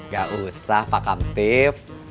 gak usah pak kamtip